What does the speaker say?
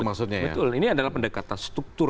maksudnya betul ini adalah pendekatan struktur